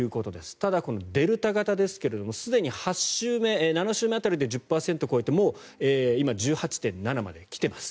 ただ、デルタ型ですけどすでに７週目辺りで１０％を超えて、もう今１８．７％まで来ています。